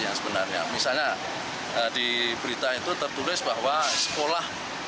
yang sebenarnya misalnya di berita itu tertulis bahwa sekolah